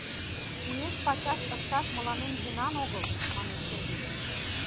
Уэш-пачаш ышташ мыланем йӧнан огыл, — манеш Сергей.